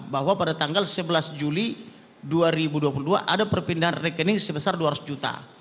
bahwa pada tanggal sebelas juli dua ribu dua puluh dua ada perpindahan rekening sebesar dua ratus juta